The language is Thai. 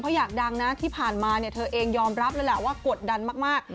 เพราะอยากดังนะที่ผ่านมาเนี่ยเธอเองยอมรับเลยแหละว่ากดดันมาก